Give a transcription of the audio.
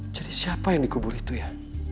jadi siapa yang dikubur itu ya